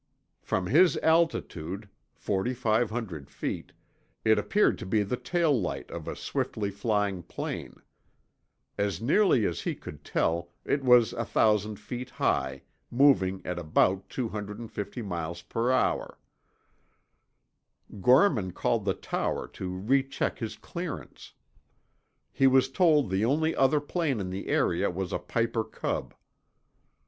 From his altitude, 4,500 feet, it appeared to be the tail light of a swiftly flying plane. As nearly as he could tell, it was 1,000 feet high, moving at about 250 m.p.h. Gorman called the tower to recheck his clearance. He was told the only other plane in the area was a Piper Cub.